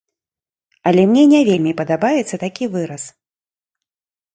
Але мне не вельмі падабаецца такі выраз.